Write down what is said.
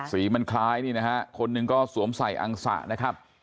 สีมันคล้ายนี่นะฮะคนหนึ่งก็สวมใส่อังสะนะครับ